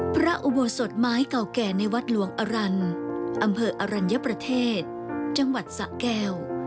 พระอุโบสถไม้เก่าแก่ในวัดหลวงอรันอำเภออรัญญประเทศจังหวัดสะแก้ว